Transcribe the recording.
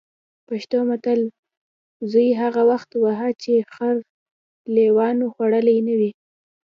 پښتو متل: زوی هغه وخت وهه چې خر لېوانو خوړلی نه وي.